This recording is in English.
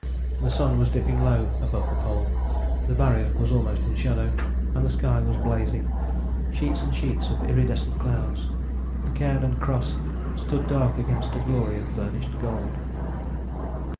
The sun was dipping low above the Pole, the Barrier was almost in shadow. And the sky was blazing sheets and sheets of iridescent clouds. The cairn and Cross stood dark against a glory of burnished gold.